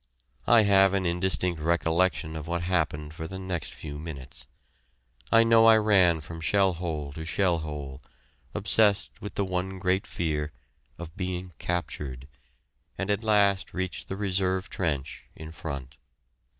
I have an indistinct recollection of what happened for the next few minutes. I know I ran from shell hole to shell hole, obsessed with the one great fear of being captured and at last reached the reserve trench, in front.